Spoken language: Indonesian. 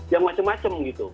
yang macam macam gitu